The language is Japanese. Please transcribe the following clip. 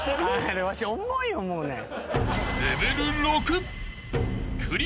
あれわし重い思うねん。